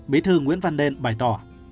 bí thư nguyễn văn nên bày tỏ